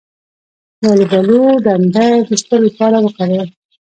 د الوبالو ډنډر د څه لپاره وکاروم؟